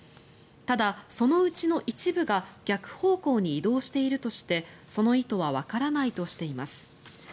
ただ、そのうちの一部が逆方向に移動しているとしてその意図はわからないとしています。